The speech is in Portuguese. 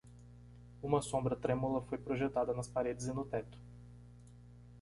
Uma sombra trêmula foi projetada nas paredes e no teto.